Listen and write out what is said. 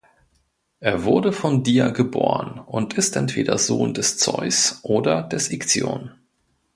Er wurde von Dia geboren und ist entweder Sohn des Zeus oder des Ixion.